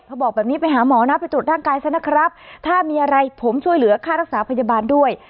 พอบอกแบบนี้ไปหาหมอนะไปตรวจร่างกายซะนะครับถ้ามีอะไรผมช่วยเหลือค่ารักษาพยาบาลด้วย